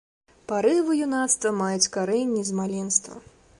Парывы юнацтва маюць карэнні з маленства.